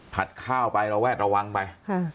ผัดข้าวไปเราแวดระวังไป